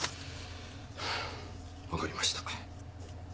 わかりました。